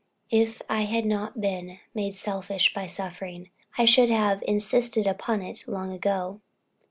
If I had not been made selfish by suffering, I should have insisted upon it long ago."